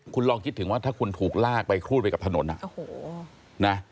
คุณลองคิดถึงว่าถ้าคุณถูกลากไปครูดไปกับถนนนะ